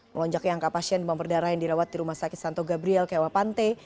melonjaknya angka pasien demam berdarah yang dirawat di rumah sakit santo gabriel kewapante